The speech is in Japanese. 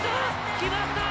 決まったー！